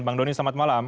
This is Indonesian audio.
bang doni selamat malam